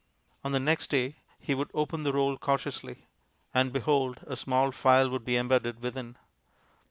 On the next day, he would open the roll cautiously, and behold! a small file would be embedded within.